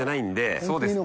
そうですね。